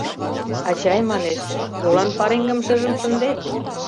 — Ачай, — манеш, — молан пареҥгым шыжым шындет?